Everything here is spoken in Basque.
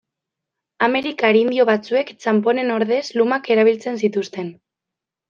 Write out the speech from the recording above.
Amerikar indio batzuek txanponen ordez lumak erabiltzen zituzten.